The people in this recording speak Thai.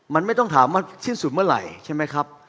มันไม่ต้องถามว่าสิ้นสุดเมื่อไหร่ใช่ไหมครับ